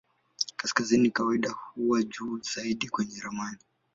Kaskazini kawaida huwa juu zaidi kwenye ramani.